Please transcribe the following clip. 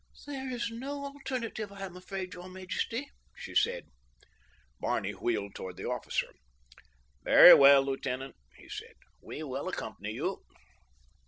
"There, is no alternative, I am afraid, your majesty," she said. Barney wheeled toward the officer. "Very well, lieutenant," he said, "we will accompany you."